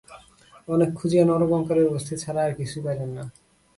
অনেক খুঁজিয়া নরকঙ্কালের অস্থি ছাড়া আর কিছুই পাইলেন না।